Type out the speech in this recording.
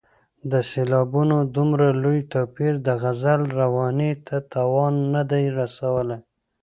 د سېلابونو دومره لوی توپیر د غزل روانۍ ته تاوان نه دی رسولی.